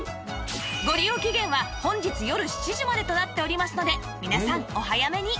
ご利用期限は本日よる７時までとなっておりますので皆さんお早めに